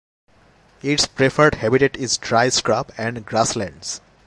Its preferred habitat is dry scrub and grasslands.